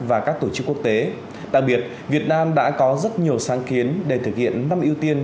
và các tổ chức quốc tế đặc biệt việt nam đã có rất nhiều sáng kiến để thực hiện năm ưu tiên